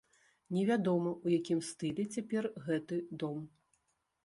Невядома, у якім стылі цяпер гэты дом.